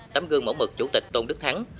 tắm gương mẫu mực chủ tịch tôn đức thắng